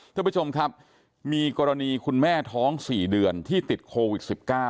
ท่านผู้ชมครับมีกรณีคุณแม่ท้อง๔เดือนที่ติดโควิด๑๙